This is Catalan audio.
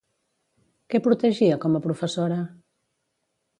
Què protegia com a professora?